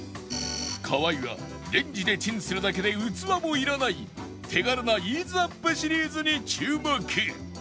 河合はレンジでチンするだけで器もいらない手軽なイーズアップシリーズに注目